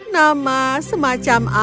nama semacam apa itu peperina